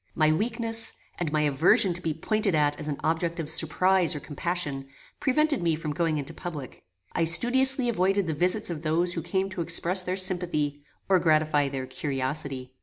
My weakness, and my aversion to be pointed at as an object of surprize or compassion, prevented me from going into public. I studiously avoided the visits of those who came to express their sympathy, or gratify their curiosity.